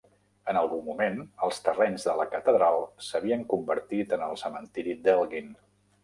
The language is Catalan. En algun moment, els terrenys de la catedral s'havien convertit en el cementiri d'Elgin.